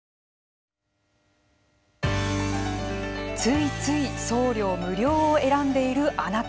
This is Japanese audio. ついつい送料無料を選んでいるあなた。